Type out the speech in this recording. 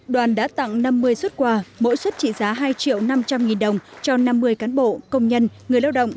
đoàn đã tặng năm mươi xuất quà mỗi xuất trị giá hai triệu năm trăm linh nghìn đồng cho năm mươi cán bộ công nhân người lao động